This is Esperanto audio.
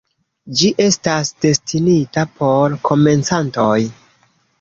Ĝi estas destinita por komencantoj.